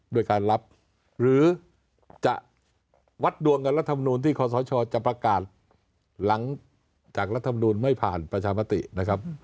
ด้วยการรับหรือจะวัดดวงกับรัฐมนูลที่ขอสชจะประกาศหลังจากรัฐมนูลไม่ผ่านประชามตินะครับ